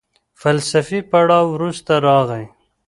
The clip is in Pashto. فلسفي پړاو وروسته راغی.